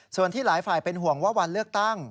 ส่วนที่หลายฝ่ายเป็นห่วงว่าวันเลือกตั้ง